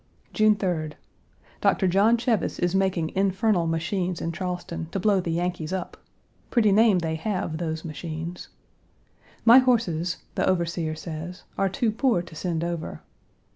June 3d. Doctor John Cheves is making infernal machines in Charleston to blow the Yankees up; pretty name they have, those machines. My horses, the overseer says, are too poor to send over.